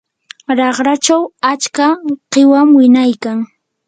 raqrachaw achka qiwan wiñaykan.